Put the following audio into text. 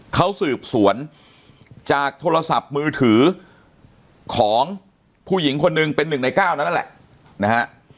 เขาสืบสวนจากโทรศัพท์มือถือของผู้หญิงคนหนึ่งเป็น๑ใน๙นั้นนั่นแหละนะฮะ